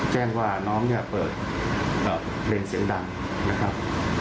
แจ้งว่าน้องเนี่ยเปิดเพลงเสียงดังนะครับ